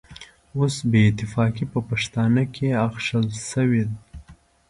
اوس بې اتفاقي په پښتانه کې اخښل شوې.